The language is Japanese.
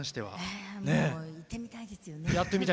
やってみたいですよね。